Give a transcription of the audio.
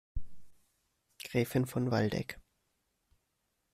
Gräfin von Waldeck.